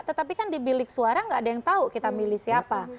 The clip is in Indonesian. tetapi kan di bilik suara nggak ada yang tahu kita milih siapa